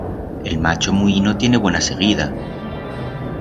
El macho muino tiene buena seguida.